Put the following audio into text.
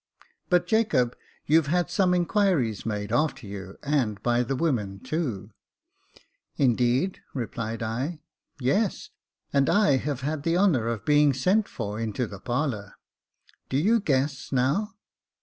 But Jacob, you've had some inquiries made after you, and by the women too." " Indeed !" rephed I. " Yes J and I have had the honour of being sent for into the parlour. Do you guess now